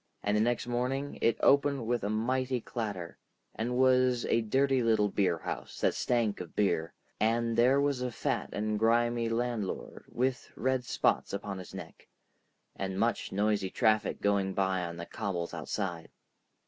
And the next morning it opened with a mighty clatter, and was a dirty little beerhouse that stank of beer, and there was a fat and grimy landlord with red spots upon his neck, and much noisy traffic going by on the cobbles outside.